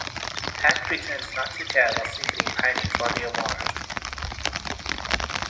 Hack pretends not to care while secretly pining for the award.